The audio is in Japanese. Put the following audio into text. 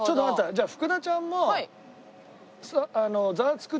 じゃあ福田ちゃんもザワつく！